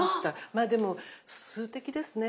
まあでも数滴ですね。